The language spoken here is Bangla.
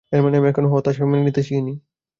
এর মানে আমি এখনো হতাশা মেনে নিতে শিখিনি।